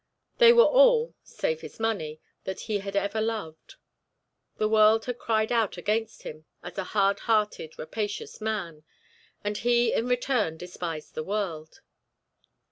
They were all, save his money, that he had ever loved. The world had cried out against him as a hard hearted, rapacious man, and he, in return, despised the world.